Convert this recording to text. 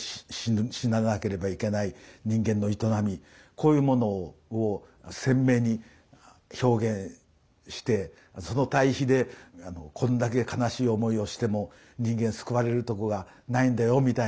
こういうものを鮮明に表現してその対比でこんだけ悲しい思いをしても人間救われるとこがないんだよみたいな。